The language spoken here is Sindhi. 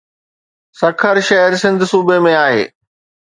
سکر شهر سنڌ صوبي ۾ آهي.